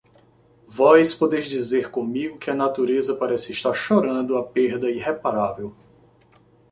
vós podeis dizer comigo que a natureza parece estar chorando a perda irreparável